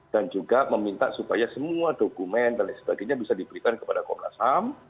dan juga meminta supaya semua dokumen dan lain sebagainya bisa diberikan kepada komnas ham